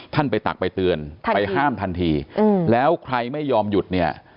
ไปตักไปเตือนไปห้ามทันทีแล้วใครไม่ยอมหยุดเนี่ย